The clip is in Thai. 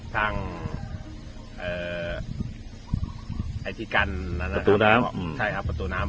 สร้างไอธิกันประตูน้ำ